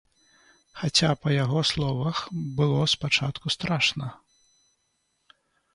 Хаця, па яго словах, было спачатку страшна.